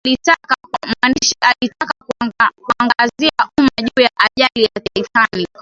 mwandishi alitaka kuangazia umma juu ya ajali ya titanic